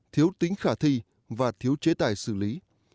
thiếu tính khả thi và thiếu chế tài xử lý